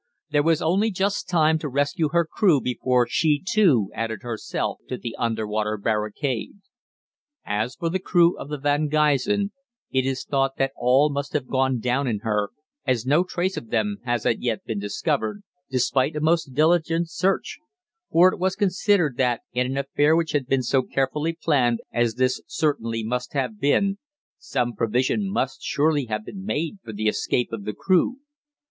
There was only just time to rescue her crew before she too added herself to the underwater barricade. As for the crew of the 'Van Gysen,' it is thought that all must have gone down in her, as no trace of them has as yet been discovered, despite a most diligent search, for it was considered that, in an affair which had been so carefully planned as this certainly must have been, some provision must surely have been made for the escape of the crew.